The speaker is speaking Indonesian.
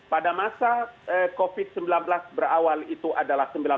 pada masa covid sembilan belas berawal itu adalah keadaan